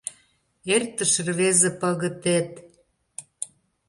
Эртыш рвезе пагытет!